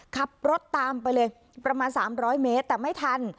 ขับรถตามไปเลยประมาณ๓๐๐เมตรแต่ไม่ทัน